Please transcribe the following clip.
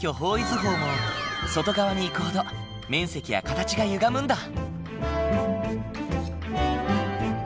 図法も外側に行くほど面積や形がゆがむんだ。